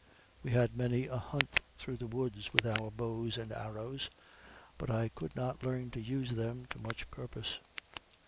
We had many a hunt through the woods with our bows and arrows, but I could not learn to use them to much purpose.